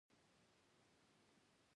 د ځمکو د اصلاحاتو د طرحې ویټو ګواښ یې کړی و.